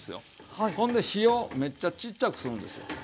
ほんで火をめっちゃちっちゃくするんですよ。